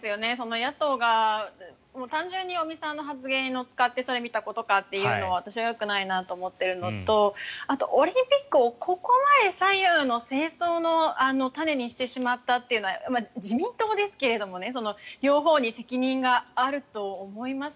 野党が単純に尾身さんの発言に乗っかってそれ見たことかというのは私はよくないなと思っているのとあと、オリンピックをここまで左右の政争の種にしてしまったというのは自民党ですけれども両方に責任があると思います。